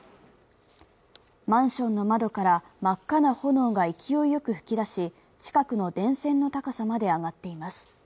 マンションの窓から真っ赤な炎が勢いよく噴き出し、近くの電線の高さまで上がっています。